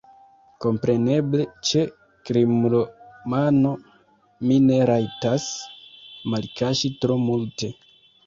Kompreneble, ĉe krimromano mi ne rajtas malkaŝi tro multe.